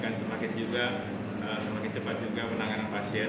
akan semakin juga semakin cepat juga penanganan pasien